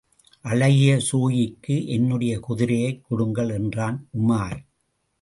அழகி ஸோயிக்கு என்னுடைய குதிரையைக் கொடுங்கள்! என்றான் உமார்.